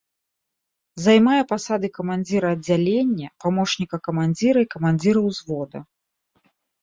Займае пасады камандзіра аддзялення, памочніка камандзіра і камандзіра ўзвода.